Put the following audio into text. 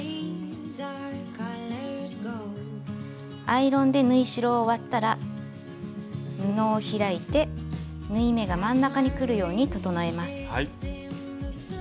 アイロンで縫い代を割ったら布を開いて縫い目が真ん中にくるように整えます。